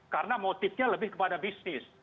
karena motifnya lebih kepada bisnis